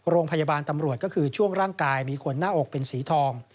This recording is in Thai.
โรงพยาบาลตำรวจก็คือช่วงร่างกายมีขนหน้าอกเป็นสีทอง